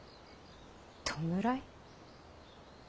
弔い？